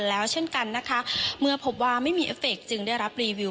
แล้วเช่นกันนะคะเมื่อพบว่าไม่มีเอฟเฟคจึงได้รับรีวิว